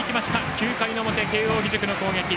９回の表、慶応義塾の攻撃。